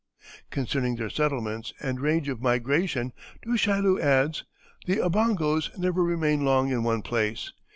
Concerning their settlements and range of migration Du Chaillu adds: "The Obongos never remain long in one place.